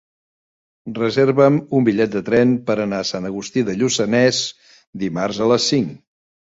Reserva'm un bitllet de tren per anar a Sant Agustí de Lluçanès dimarts a les cinc.